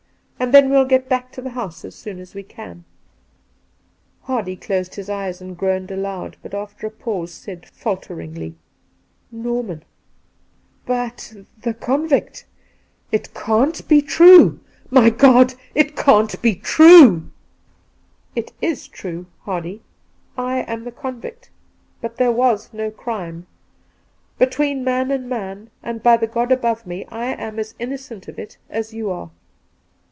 And then we'll get back to the house as soon as we can !' 15—2 228 Two Christmas Days Hardy closed his eyes and groaned aloud, but after a pause said falteringly :• Norman — but the convict — it cain!t be true ! my God ! it canH be true !'' It is true, Hardy. I am the convict, but there was no crime. Between man and man, and by the God above me, I am as innocent of it as you are.'